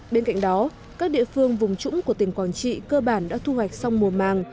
bên cạnh đó các địa phương vùng trũng của tỉnh quảng trị cơ bản đã thu hoạch xong mùa màng